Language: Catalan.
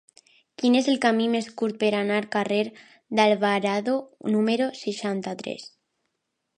Quin és el camí més curt per anar al carrer d'Alvarado número seixanta-tres?